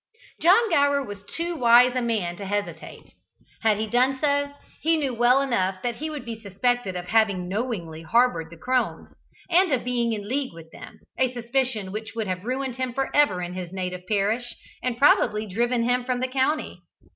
John Gower was too wise a man to hesitate. Had he done so, he knew well enough that he would be suspected of having knowingly harboured the crones, and of being in league with them, a suspicion which would have ruined him for ever in his native parish, and probably driven him from the county.